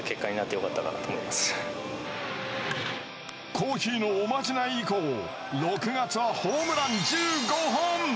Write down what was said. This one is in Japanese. コーヒーのおまじない以降６月は、ホームラン１５本！